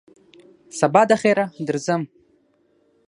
سبا دخیره درځم !